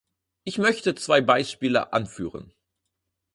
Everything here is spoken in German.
Ich möchte zwei Beispiele anführen.